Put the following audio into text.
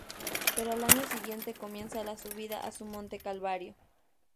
Pero al año siguiente comienza la subida a su monte calvario.